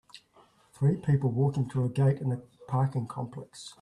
Three people walking through a gate in a parking complex.